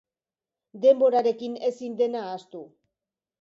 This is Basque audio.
Denborarekin ezin dena ahaztu.